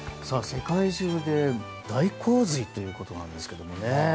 世界中で大洪水ということなんですね。